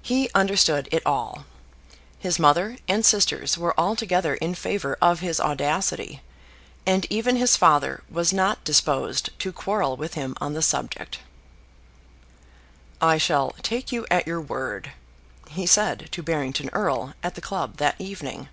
He understood it all. His mother and sisters were altogether in favour of his audacity, and even his father was not disposed to quarrel with him on the subject. "I shall take you at your word," he said to Barrington Erle at the club that evening.